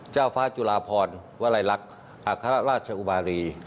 เจ้าฟ้าจุลาพรวลัยลักษณ์อัครราชอุบารี